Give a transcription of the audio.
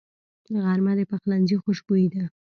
غرمه د پخلنځي خوشبويي ده